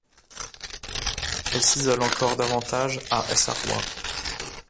Elle s'isole encore davantage à Essarois.